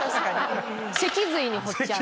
脊髄に彫っちゃう。